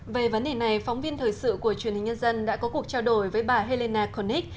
về vấn đề này phóng viên thời sự của truyền hình nhân dân đã có cuộc trao đổi với bà helena konic